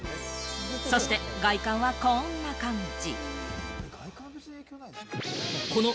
そして外観はこんな感じ。